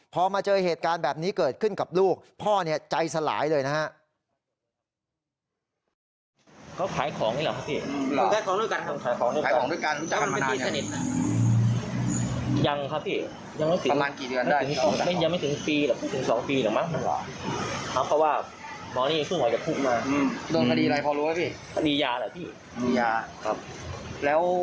พอมาเจอเหตุการณ์แบบนี้เกิดขึ้นกับลูกพ่อใจสลายเลยนะฮะ